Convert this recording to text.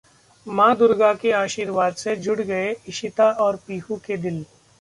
मां दुर्गा के आशीर्वाद से जुड़ गए इशिता और पीहू के दिल...